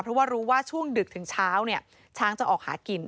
เพราะว่ารู้ว่าช่วงดึกถึงเช้าเนี่ยช้างจะออกหากิน